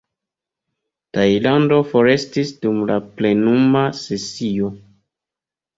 Tajlando forestis dum la plenuma sesio.